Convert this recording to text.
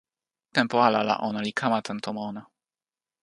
tenpo ala la ona li kama tan tomo ona.